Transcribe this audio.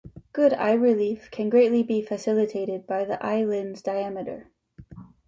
Good eye relief can greatly be facilitated by the eye lens diameter.